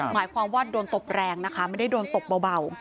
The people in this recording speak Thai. หมายความว่าโดนตบแรงนะคะไม่ได้โดนตบเบา